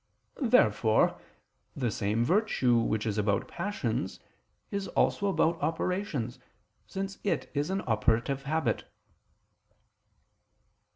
Therefore the same virtue which is about passions is also about operations, since it is an operative habit.